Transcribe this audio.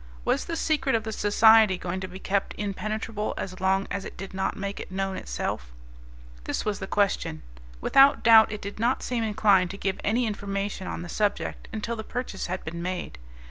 Was the secret of the Society going to be kept inpenetrable as long as it did not make it known itself? This was the question. Without doubt it did not seem inclined to give any information on the subject until the purchase had been made.